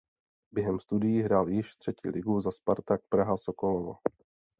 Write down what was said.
Během studií hrál již třetí ligu za Spartak Praha Sokolovo.